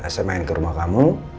saya main ke rumah kamu